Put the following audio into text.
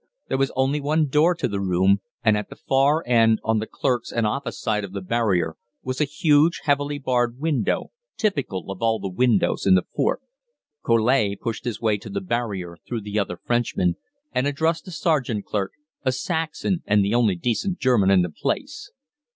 There was only one door to the room, and at the far end, on the clerks' and office side of the barrier, was a huge, heavily barred window, typical of all the windows in the fort. Collet pushed his way to the barrier through the other Frenchmen, and addressed the sergeant clerk (a Saxon, and the only decent German in the place).